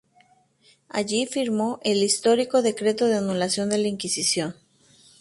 Allí firmó el histórico decreto de anulación de la Inquisición.